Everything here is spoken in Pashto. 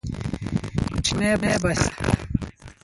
کوچنۍ بسته